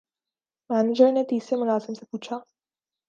manager نے تیسرے ملازم سے پوچھا